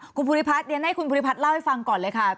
คุณภูริพัฒน์เดี๋ยวให้คุณภูริพัฒน์เล่าให้ฟังก่อนเลยค่ะ